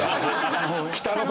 北の方。